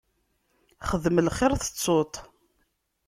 Xdem lxiṛ, tettuḍ-t.